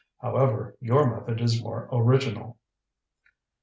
However, your method is more original."